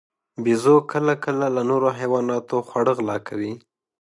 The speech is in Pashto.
بیزو کله کله له نورو حیواناتو خواړه غلا کوي.